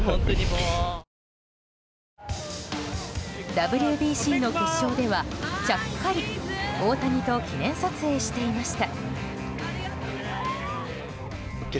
ＷＢＣの決勝ではちゃっかり大谷と記念撮影していました。